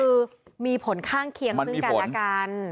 คือมีผลข้างเคียงซึ่งการอาการ